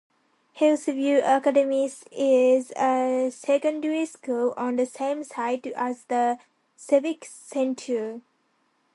Hillsview Academy is a secondary school on the same site as the civic centre.